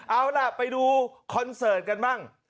เอาล่ะไปดูคอนเสิร์ตกันบ้าง